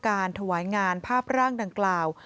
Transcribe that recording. ถวายงานภาพร่างดังกล่าว